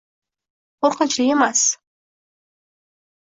Qo‘rqinchli emas!